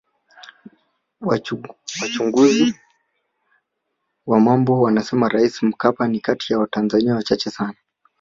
Wachunguzi wa mambo wanasema Rais Mkapa ni kati ya watanzania wachache sana